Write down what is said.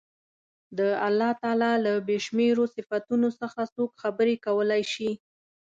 د الله تعالی له بې شمېرو صفتونو څخه څوک خبرې کولای شي.